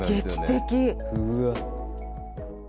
うわ。